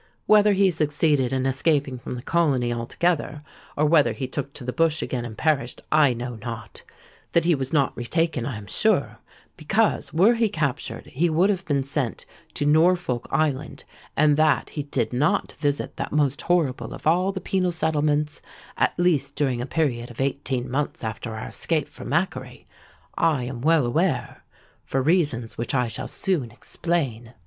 Whether he succeeded in escaping from the colony altogether, or whether he took to the bush again and perished, I know not:—that he was not retaken I am sure, because, were he captured, he would have been sent to Norfolk Island; and that he did not visit that most horrible of all the penal settlements—at least during a period of eighteen months after our escape from Macquarie—I am well aware, for reasons which I shall soon explain.